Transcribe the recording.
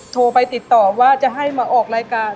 โทรไปติดต่อว่าจะให้มาออกรายการ